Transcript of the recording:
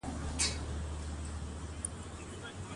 دیکتاتورۍ ځینې ډلې په بشپړ ډول څنډې ته کړې دي.